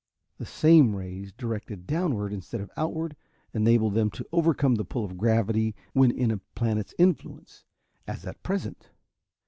The same rays, directed downward instead of outward, enabled them to overcome the pull of gravity when in a planet's influence, as at present.